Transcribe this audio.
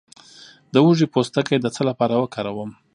د هوږې پوستکی د څه لپاره وکاروم؟